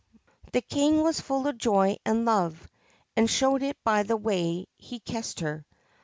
The King was full of joy and love, and showed it by the way he kissed her.